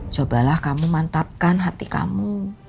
cobalah kamu mantapkan hati kamu